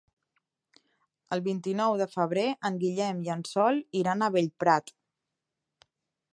El vint-i-nou de febrer en Guillem i en Sol iran a Bellprat.